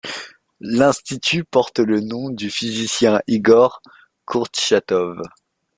L'institut porte le nom du physicien Igor Kourtchatov.